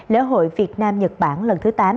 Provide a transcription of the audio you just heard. lễ hội việt nam nhật bản lần thứ tám